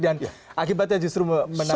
dan akibatnya justru menambah panas